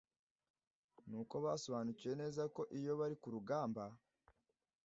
Ni uko basobanukiwe neza ko iyo bari ku rugamba